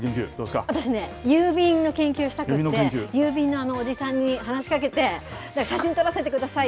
私ね、郵便の研究したくって、郵便のおじさんに話しかけて、写真撮らせてくださいって。